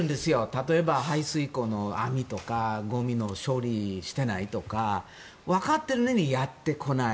例えば排水溝の網とかゴミの処理してないとかわかっているのにやってこない。